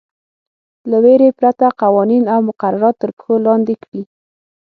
له وېرې پرته قوانین او مقررات تر پښو لاندې کړي.